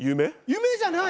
夢じゃない！